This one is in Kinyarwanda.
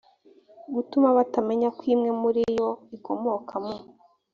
gutuma batamenya ko imwe muri yo ikomoka mu